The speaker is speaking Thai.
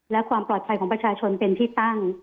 และความปลอดภัยของประชาชนเป็นที่ตั้ง